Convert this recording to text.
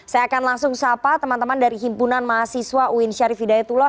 saya akan langsung sapa teman teman dari himpunan mahasiswa uin syarif hidayatullah